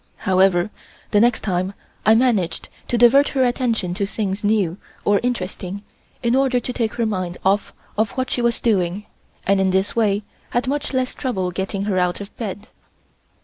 However, the next time I managed to divert her attention to things new or interesting in order to take her mind off of what she was doing, and in this way had much less trouble getting her out of bed.